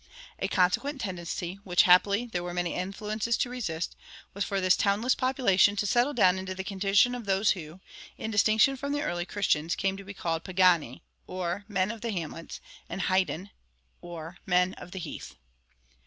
A consequent tendency, which, happily, there were many influences to resist, was for this townless population to settle down into the condition of those who, in distinction from the early Christians, came to be called pagani, or "men of the hamlets," and Heiden, or "men of the heath."